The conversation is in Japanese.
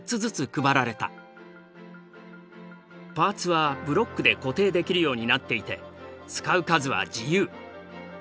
パーツはブロックで固定できるようになっていて使う数は自由。